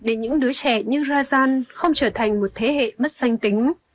để những đứa trẻ như rajan không trở thành một thế hệ mất danh tính